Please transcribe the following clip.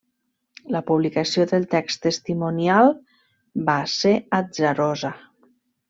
La publicació del text testimonial va ser atzarosa.